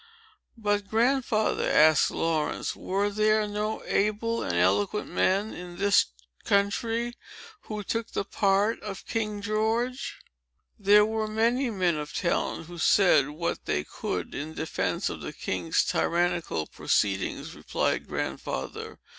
"But, Grandfather," asked Laurence, "were there no able and eloquent men in this country who took the part of King George?" "There were many men of talent, who said what they could in defence of the king's tyrannical proceedings," replied Grandfather.